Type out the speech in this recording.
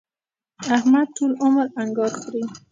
احمد ټول عمر انګار خوري.